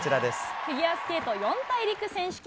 フィギュアスケート四大陸選手権。